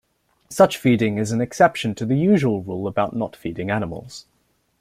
Such feeding is an exception to the usual rule about not feeding animals.